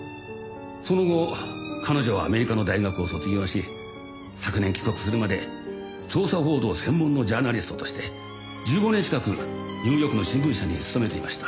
その後彼女はアメリカの大学を卒業し昨年帰国するまで調査報道専門のジャーナリストとして１５年近くニューヨークの新聞社に勤めていました。